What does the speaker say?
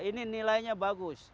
ini nilainya bagus